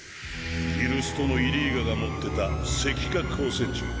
ギルストのイリーガが持ってた石化光線銃。